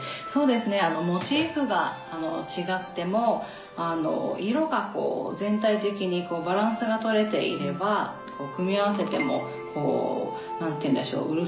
そうですねモチーフが違っても色がこう全体的にバランスが取れていれば組み合わせても何ていうんでしょう。